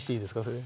それ。